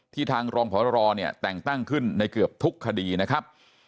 ทางรองพรเนี่ยแต่งตั้งขึ้นในเกือบทุกคดีนะครับ